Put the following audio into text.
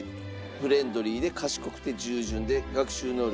フレンドリーで賢くて従順で学習能力が高い。